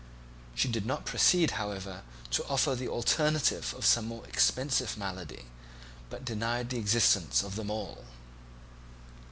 She did not proceed, however, to offer the alternative of some more expensive malady, but denied the existence of them all.